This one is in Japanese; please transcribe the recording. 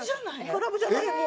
クラブじゃない方。